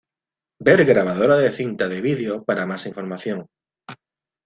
Ver Grabadora de cinta de video para más información.